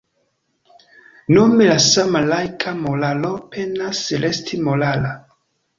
Nome la sama laika moralo penas resti morala.